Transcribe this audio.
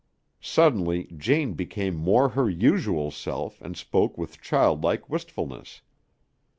Suddenly Jane became more her usual self and spoke with childlike wistfulness.